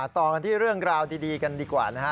ต่อกันที่เรื่องราวดีกันดีกว่านะฮะ